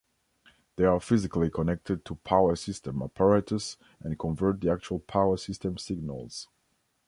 They are physically connected to power-system apparatus and convert the actual power-system signals.